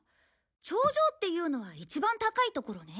頂上っていうのは一番高いところね。